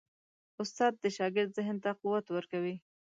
استاد د شاګرد ذهن ته قوت ورکوي.